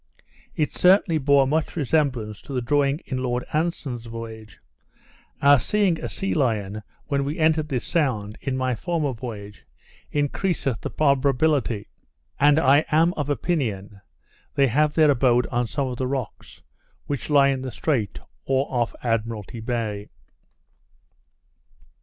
It certainly bore much resemblance to the drawing in Lord Anson's voyage; our seeing a sea lion when we entered this sound, in my former voyage, increaseth the probability; and I am of opinion, they have their abode on some of the rocks, which lie in the strait, or off Admiralty Bay.